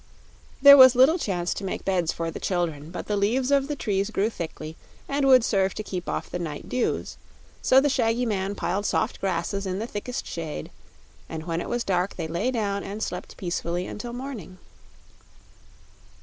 There was little chance to make beds for the children, but the leaves of the trees grew thickly and would serve to keep off the night dews, so the shaggy man piled soft grasses in the thickest shade and when it was dark they lay down and slept peacefully until morning.